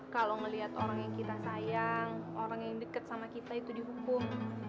kalo ngeliat orang yang kita sayang orang yang deket sama kita itu dihukum